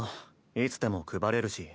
いつでも配れるし。